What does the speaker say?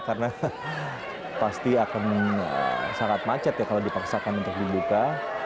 karena pasti akan sangat macet ya kalau dipaksakan untuk dibuka